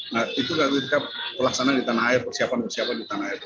nah itu nanti tetap pelaksanaan di tanah air persiapan persiapan di tanah air